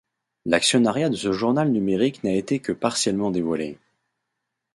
L'actionnariat de ce journal numérique n'a été que partiellement dévoilé.